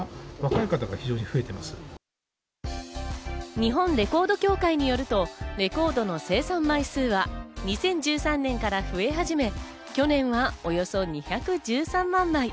日本レコード協会によると、レコードの生産枚数は２０１３年から増え始め、去年はおよそ２１３万枚。